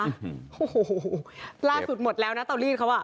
โอ้โหล่าสุดหมดแล้วนะเตารีดเขาอ่ะ